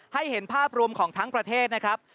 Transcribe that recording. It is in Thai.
เห็นภาพรวมของทั้งประเทศนะครับ